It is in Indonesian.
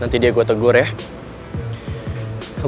nanti dia gue tegur ya